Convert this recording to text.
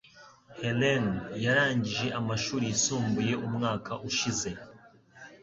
Helen yarangije amashuri yisumbuye umwaka ushize.